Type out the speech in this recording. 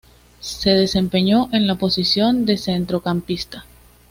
Se desempeñó en la posición de centrocampista.